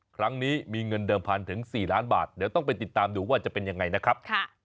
ครั้งนี้มีเงินเดิมพันถึง๔ล้านบาทเดี๋ยวต้องไปติดตามดูว่าจะเป็นยังไงนะครับ